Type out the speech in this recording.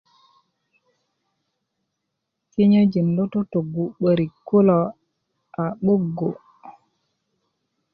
kinyojin lo tötögu 'börik kulo a 'bugu